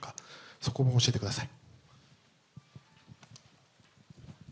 そこも教えてください。